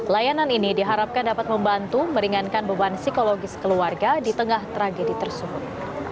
layanan ini diharapkan dapat membantu meringankan beban psikologis keluarga di tengah tragedi tersebut